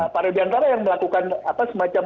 pak aro diantara yang melakukan semacam